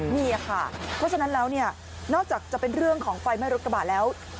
นี่ค่ะเพราะฉะนั้นแล้วเนี่ยนอกจากจะเป็นเรื่องของไฟไหม้รถกระบะแล้ว